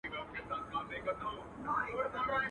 څه لاس تر منځ، څه غر تر منځ.